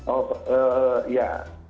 oh eh ya